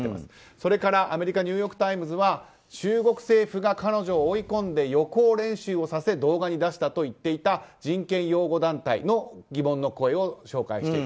それから、アメリカニューヨーク・タイムズは中国政府が彼女を追い込んで予行練習をさせ動画に出したと言っていた人権擁護団体の疑問の声を紹介している。